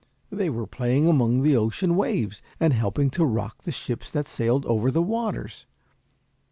They were playing among the ocean waves, and helping to rock the ships that sailed over the waters.